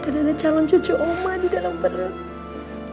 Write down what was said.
dan ada calon cucu oma di dalam perut